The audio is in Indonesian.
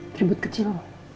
dari but kecil